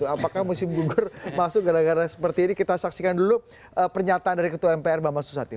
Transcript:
apakah musim gugur masuk gara gara seperti ini kita saksikan dulu pernyataan dari ketua mpr bambang susatyo